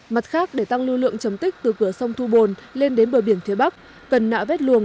mặt khác để tăng lưu lượng chấm tích từ cửa sông thu bồn lên đến bờ biển phía bắc cần nạ vét luồng